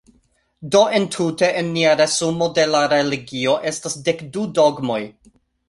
Do, entute, en nia resumo de la religio, estas dek du dogmoj.